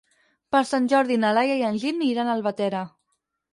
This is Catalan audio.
Per Sant Jordi na Laia i en Gil iran a Albatera.